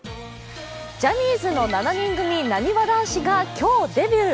ジャニーズの７人組、なにわ男子が今日デビュー。